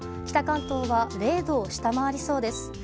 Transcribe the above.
北関東は０度を下回りそうです。